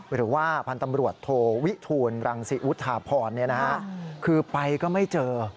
หรือว่าพันธ์ตำรวจโทวิทูลรังศิวุฒาพรคือไปก็ไม่เจอ